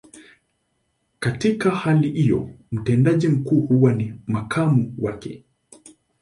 Katika hali hiyo, mtendaji mkuu huwa ni makamu wake.